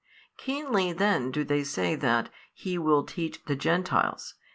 Keenly then do they say that He will teach the Gentiles.